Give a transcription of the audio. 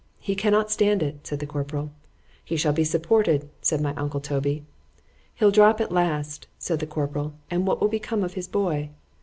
——He cannot stand it, said the corporal;——He shall be supported, said my uncle Toby;——He'll drop at last, said the corporal, and what will become of his boy?